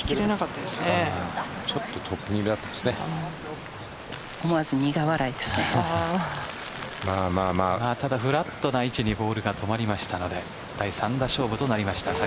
ただフラットな位置にボールが止まりましたので第３打勝負となりました。